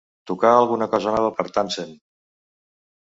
Tocar alguna cosa nova per Tansen